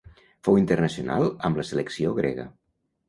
Fou internacional amb la selecció grega.